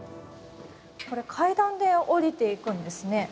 これ、階段で下りていくんですね。